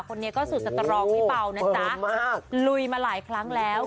คนนี้ก็สุดสตรองไม่เบานะจ๊ะลุยมาหลายครั้งแล้ว